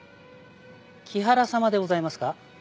キハラ様でございますか？